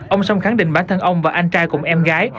ông song khẳng định bản thân ông và anh trai cùng em gái